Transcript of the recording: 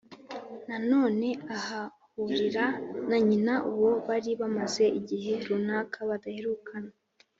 Na none ahahurira na nyina, uwo bari bamaze igihe runaka badaherukana